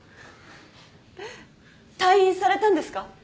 退院されたんですか？